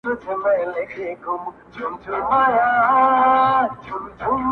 څه پیالې پیالې را ګورې څه نشه نشه ږغېږې,